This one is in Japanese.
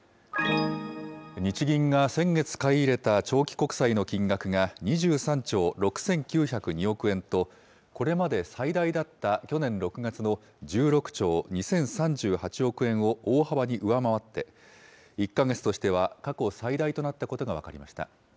日銀が先月買い入れた長期国債の金額が、２３兆６９０２億円と、これまで最大だった去年６月の１６兆２０３８億円を大幅に上回って、１か月としては過去最大となったことが分かりました。